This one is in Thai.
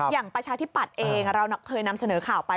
ประชาธิปัตย์เองเราเคยนำเสนอข่าวไป